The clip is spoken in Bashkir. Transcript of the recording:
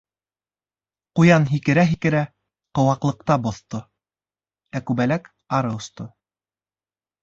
Ҡуян һикерә-һикерә ҡыуаҡлыҡҡа боҫто, ә Күбәләк ары осто.